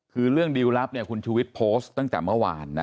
คือเรื่องดิวลลับเนี่ยคุณชูวิทย์โพสต์ตั้งแต่เมื่อวานนะ